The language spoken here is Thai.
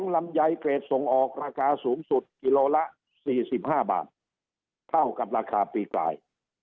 ลำไยเกรดส่งออกราคาสูงสุดกิโลละ๔๕บาทเท่ากับราคาปีกลาย